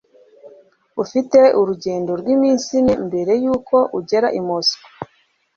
Ufite urugendo rw'iminsi ine mbere yuko ugera i Moscou.